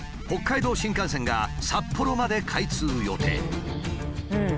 北海道新幹線が札幌まで開通予定。